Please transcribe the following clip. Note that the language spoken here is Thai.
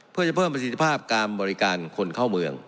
เพื่อจะเพิ่มประสิทธิภาพการบริการคนเข้าเมือง